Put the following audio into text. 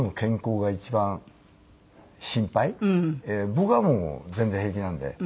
僕はもう全然平気なんで。